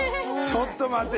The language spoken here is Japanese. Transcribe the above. ちょっと待って。